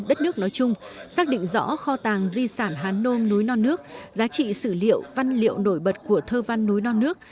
đất nước nói chung xác định rõ kho tàng di sản hán nôm núi non nước giá trị sử liệu văn liệu nổi bật của thơ văn núi non nước